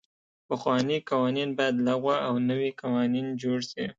پخواني قوانین باید لغوه او نوي قوانین جوړ سي.